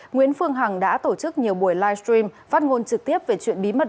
nguyễn phương hằng đã tổ chức nhiều buổi live stream phát ngôn trực tiếp về chuyện bí mật